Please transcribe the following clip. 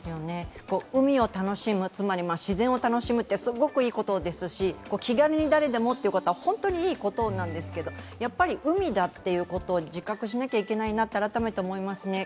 海を楽しむ、つまり自然を楽しむってすごくいいことですし気軽に誰でもということは本当にいいことなんですけど、海だということを自覚しなきゃいけないなと、改めて思いますね。